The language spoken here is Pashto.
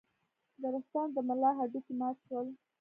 د رستم د ملا هډوکي مات شول.